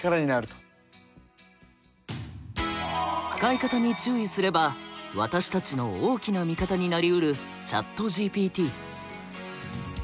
使い方に注意すれば私たちの大きな味方になりうるＣｈａｔＧＰＴ。